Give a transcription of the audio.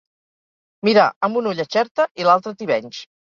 Mirar amb un ull a Xerta i l'altre a Tivenys.